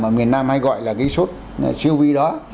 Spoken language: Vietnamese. miền nam hay gọi là cái sốt siêu vi đó